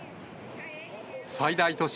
最大都市